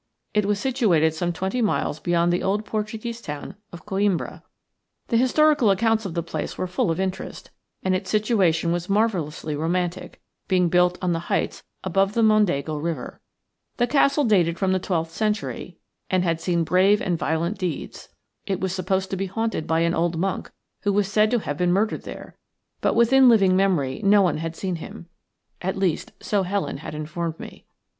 It was situated some twenty miles beyond the old Portuguese town of Coimbra. The historical accounts of the place were full of interest, and its situation was marvellously romantic, being built on the heights above the Mondego River. The castle dated from the twelfth century, and had seen brave and violent deeds. It was supposed to be haunted by an old monk who was said to have been murdered there, but within living memory no one had seen him. At least, so Helen had informed me.